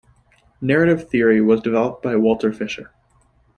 Narrative theory was developed by Walter Fisher.